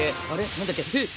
何だっけ？